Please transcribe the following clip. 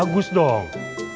yang bagus dong